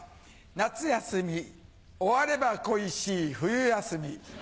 夏休み終われば恋しい冬休み。